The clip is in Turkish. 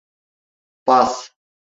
Bas!